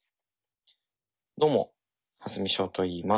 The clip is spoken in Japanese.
どうも蓮見翔といいます。